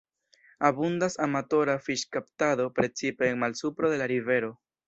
Abundas amatora fiŝkaptado, precipe en malsupro de la rivero.